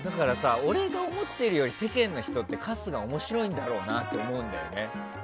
俺が思ってるより世間の人って春日、面白いんだろうなって思うんだよね。